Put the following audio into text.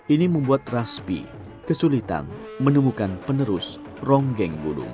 ini membuat rasbi kesulitan menemukan penerus ronggeng gunung